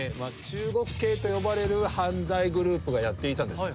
中国系と呼ばれる犯罪グループがやっていたんです。